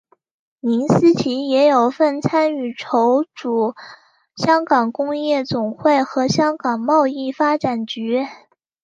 林思齐也有份参与筹组香港工业总会和香港贸易发展局。